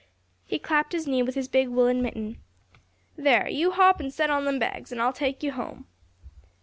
He clapped his knee with his big woollen mitten. "There, you hop in an' set on them bags, an' I'll take you home."